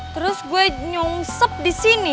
terus gue nyongsep di sini